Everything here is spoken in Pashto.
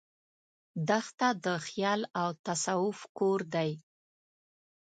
دښته د خیال او تصوف کور دی.